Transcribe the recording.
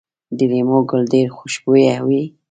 د لیمو ګل ډیر خوشبويه وي؟